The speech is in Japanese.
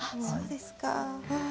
そうですか。